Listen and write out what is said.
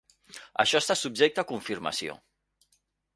Això està subjecte a confirmació.